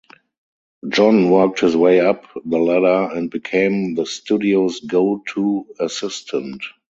John worked his way up the ladder and became the studio's go-to-assistant.